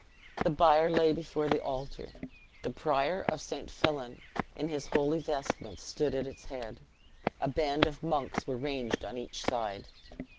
The bier lay before the altar. The prior of St. Fillan, in his holy vestments, stood at its head; a band of monks were ranged on each side.